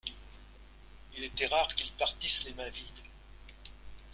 Il était rare qu'ils partissent les mains vides.